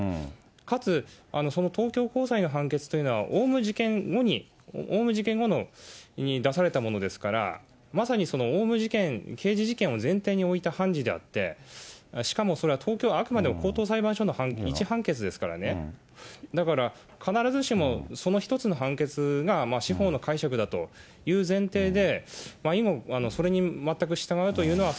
かつ、その東京高裁の判決というのは、オウム事件後に、オウム事件後に出されたものですから、まさにオウム事件、刑事事件を前提に置いた判事であって、しかもこれは、東京高等裁判所の一判決ですからね、だから必ずしもその一つの判決が司法の解釈だという前提で以後、それに全く従うというのは、